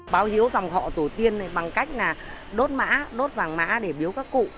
báo hiếu dòng họ tổ tiên này bằng cách đốt mã đốt vàng mã để biếu các cụ